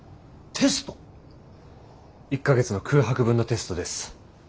１か月の空白分のテストです。